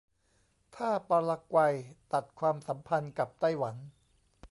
ถ้าปารากวัยตัดความสัมพันธ์กับไต้หวัน